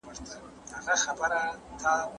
هغه وويل چي پاکوالی مهم دی؟!